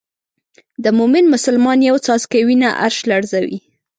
د مومن مسلمان یو څاڅکی وینه عرش لړزوي.